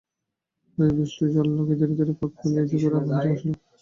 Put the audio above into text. গায়ে বৃষ্টির জল লাগায় ধীরে ধীরে পাক খুলিয়া ঝোপের বাহিরে আসিল।